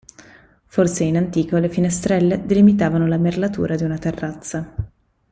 Forse in antico la finestrelle delimitavano la merlatura di una terrazza.